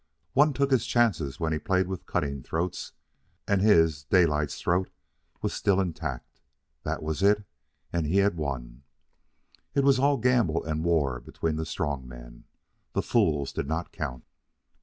One took his chances when he played with cutting throats, and his, Daylight's, throat was still intact. That was it! And he had won. It was all gamble and war between the strong men. The fools did not count.